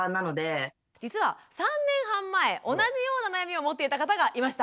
実は３年半前同じような悩みを持っていた方がいました。